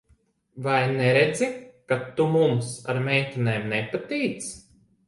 Vai neredzi, ka tu mums ar meitenēm nepatīc?